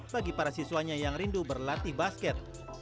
bagi para siswanya yang rindu berlatih basket